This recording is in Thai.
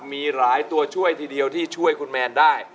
มีหลายตัวช่วยทีเดียวที่ช่วยคุณแมนได้